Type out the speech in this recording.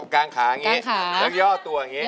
กลางขาอย่างนี้แล้วย่อตัวอย่างนี้